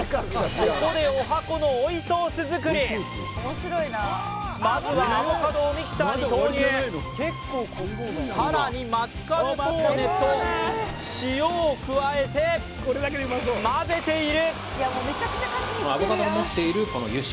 ここで作りまずはアボカドをミキサーに投入さらにマスカルポーネと塩を加えてまぜているアボカドの持っている油脂